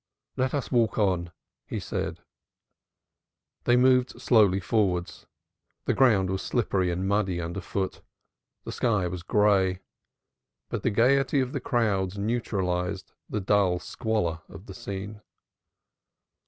"Let us walk on," he said. They moved slowly forwards. The ground was slippery and muddy under foot. The sky was gray. But the gayety of the crowds neutralized the dull squalor of the scene.